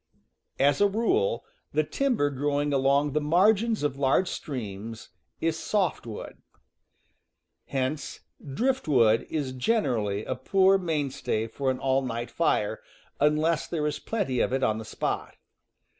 As a rule, the timber growing along the margins of large streams is softwood. Hence driftwood is n 'ffw A generally a poor mainstay for an all night fire, unless there is plenty of it on the spot.